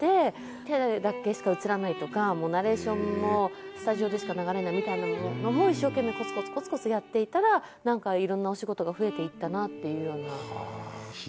手だけしか映らないとかナレーションもスタジオでしか流れないみたいなのも一生懸命こつこつこつこつやっていたらいろんなお仕事が増えていったなっていうような。